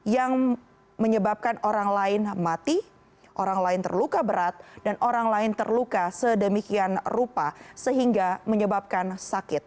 yang menyebabkan orang lain mati orang lain terluka berat dan orang lain terluka sedemikian rupa sehingga menyebabkan sakit